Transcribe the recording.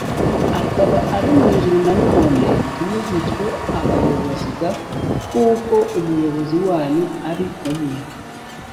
akaba ari mu ijuru Nanone ntimuzitwe abayobozi g kuko Umuyobozi wanyu ari umwe